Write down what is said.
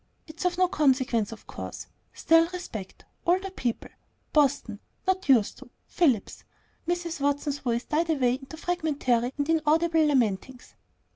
It's of no consequence, of course, still, respect older people Boston not used to Phillips " Mrs. Watson's voice died away into fragmentary and inaudible lamentings.